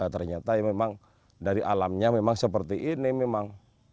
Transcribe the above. ternyata memang dari alamnya memang seperti ini memang